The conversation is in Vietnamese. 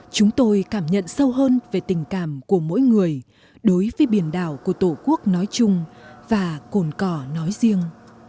chúng tôi cảm nhận sâu hơn về tình cảm của mỗi người đối với biển đảo của tổ quốc nói chung và cồn cỏ nói riêng